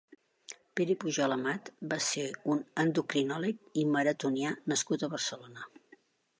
Pere Pujol Amat va ser un endocrinòleg i maratonià nascut a Barcelona.